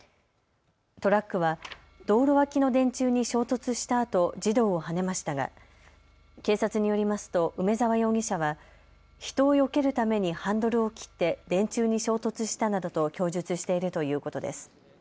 トラックは道路脇の電柱に衝突したあと児童をはねましたが、警察によりますと梅澤容疑者は人をよけるためにハンドルを切って電柱に衝突したなどと供述しているということです。